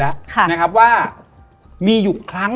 และยินดีต้อนรับทุกท่านเข้าสู่เดือนพฤษภาคมครับ